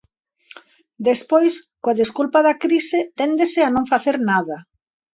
Despois, coa desculpa da crise téndese a non facer nada.